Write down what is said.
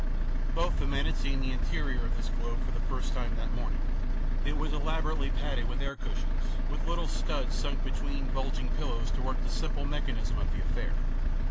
Both the men had seen the interior of this globe for the first time that morning. It was elaborately padded with air cushions, with little studs sunk between bulging pillows to work the simple mechanism of the affair.